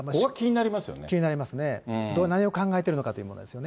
気になりますね、どう内容を考えてるのかというものですね。